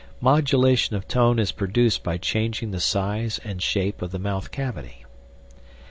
Modulation of tone is produced by changing the size and shape of the mouth cavity.